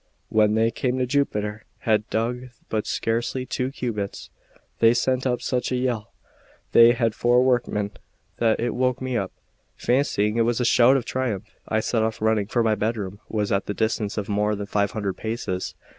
When they came to Jupiter, and had dug but scarcely two cubits, they sent up such a yell, they and their four workmen, that it woke me up. Fancying it was a shout of triumph, I set off running, for my bedroom was at the distance of more than five hundred paces.